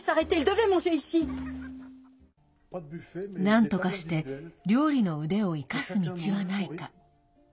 なんとかして料理の腕を生かす道はないか。